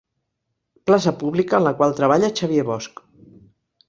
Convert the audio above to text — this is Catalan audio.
Plaça pública en la qual treballa Xavier Bosch.